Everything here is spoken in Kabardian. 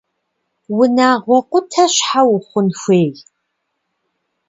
Унагъуэ къутэ щхьэ ухъун хуей?